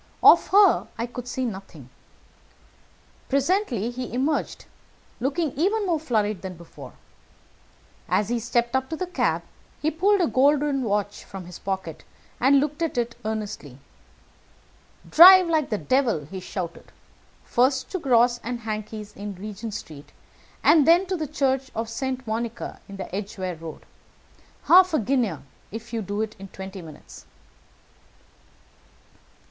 Of her I could see nothing. Presently he emerged, looking even more flurried than before. As he stepped up to the cab, he pulled a gold watch from his pocket and looked at it earnestly. 'Drive like the devil!' he shouted, 'first to Gross & Hankey's in Regent Street, and then to the Church of St. Monica in the Edgeware Road. Half a guinea if you do it in twenty minutes!'